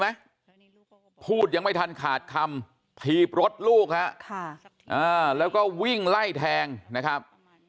ไหมพูดยังไม่ทันขาดคำพีบรถลูกแล้วก็วิ่งไล่แทงนะครับ